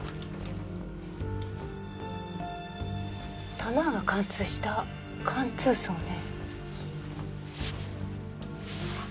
弾が貫通した貫通創ね。